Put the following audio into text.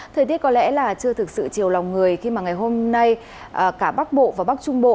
thời tiết có lẽ là chưa thực sự chiều lòng người khi mà ngày hôm nay cả bắc bộ và bắc trung bộ